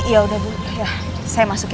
ya udah bu ya saya masuk ya